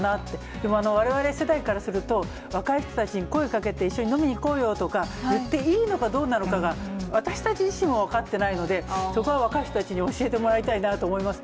でも我々世代からすると、若い人たちに声かけて、一緒に飲みに行こうよとか言っていいのかどうなのかが、私たち自身も分かってないので、そこは若い人たちに教えてもらいたいなと思います。